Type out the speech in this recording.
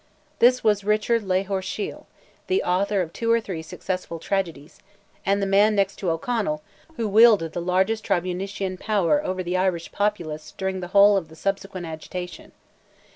This was Richard Lalor Shiel, the author of two or three successful tragedies, and the man, next to O'Connell, who wielded the largest tribunitian power over the Irish populace during the whole of the subsequent agitation.